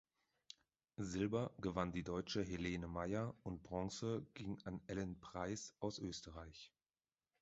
Silber gewann die Deutsche Helene Mayer und Bronze ging an Ellen Preis aus Österreich.